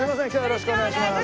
よろしくお願いします。